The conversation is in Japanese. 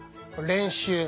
練習。